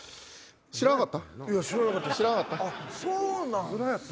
知らなかったです